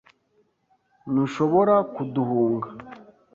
Ntushobora kuduhunga.